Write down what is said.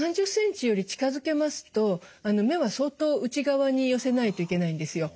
３０ｃｍより近づけますと目は相当内側に寄せないといけないんですよ。